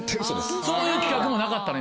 そういう企画もなかったの？